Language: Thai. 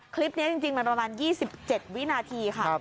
คลิปนี้จริงมันประมาณ๒๗วินาทีค่ะ